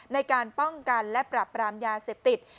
ในการป้องกันและปรับปรามยาเสพติด